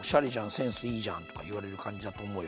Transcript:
「センスいいじゃん」とか言われる感じだと思うよ。